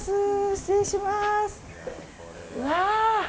失礼します。